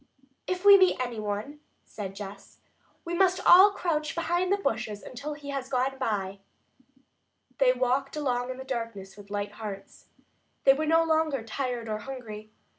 "If we meet any one," said Jess, "we must all crouch behind bushes until he has gone by." They walked along in the darkness with light hearts. They were no longer tired or hungry.